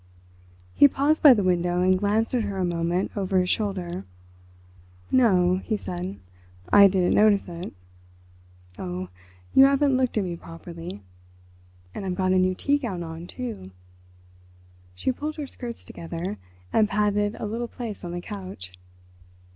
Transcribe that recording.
He paused by the window and glanced at her a moment over his shoulder. "No," he said; "I didn't notice it." "Oh, you haven't looked at me properly, and I've got a new tea gown on, too." She pulled her skirts together and patted a little place on the couch.